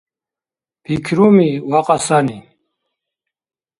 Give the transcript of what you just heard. Пикруми ва кьасани